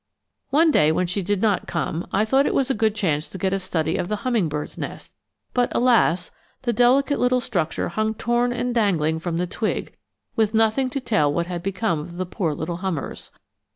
One day when she did not come, I thought it was a good chance to get a study of the hummingbird's nest; but alas! the delicate little structure hung torn and dangling from the twig, with nothing to tell what had become of the poor little hummers.